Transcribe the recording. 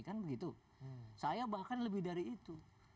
kan begitu saya bahkan lebih dari itu